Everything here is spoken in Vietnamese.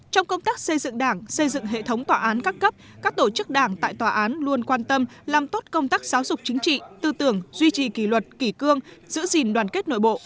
trong công tác xây dựng đảng xây dựng hệ thống tòa án các cấp các tổ chức đảng tại tòa án luôn quan tâm làm tốt công tác giáo dục chính trị tư tưởng duy trì kỷ luật kỷ cương giữ gìn đoàn kết nội bộ